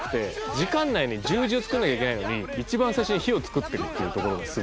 時間内に十字を作らなきゃいけないのに一番最初に火を作ってるっていうところがすごいですね。